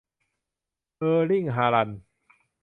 เออร์ลิ่ง ฮาลันด์